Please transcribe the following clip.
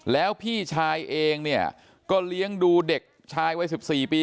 แล้วพี่ชายเองเนี่ยก็เลี้ยงดูเด็กชายวัย๑๔ปี